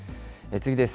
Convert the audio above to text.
次です。